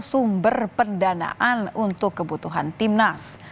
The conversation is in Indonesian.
sumber pendanaan untuk kebutuhan timnas